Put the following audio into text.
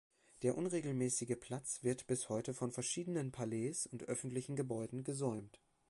Der unregelmäßige Platz wird bis heute von verschiedenen Palais und öffentlichen Gebäuden gesäumt.